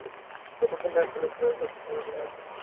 যতক্ষণ না অ্যাম্বুলেন্স থেকে বের হয়ে পালানো না যায়।